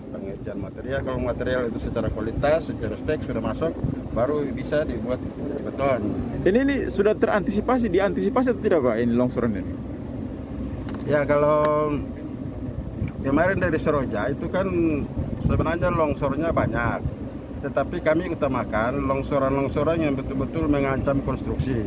pembangunan bendungan ini menggunakan lebih dari tiga ratus tiga puluh delapan hektare hutan lindung yang mencakup wilayah delapan desa